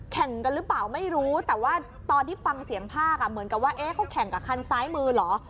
แข่งกันหรือเปล่าไม่รู้แต่ว่าตอนที่ฟังเสียงภาคเหมือนกับว่าเขาแข่งกับคันซ้ายมือเหรอ